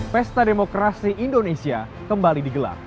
pesta demokrasi indonesia kembali digelar